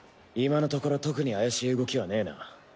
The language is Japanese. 今のところ特に怪しい動きはねえな。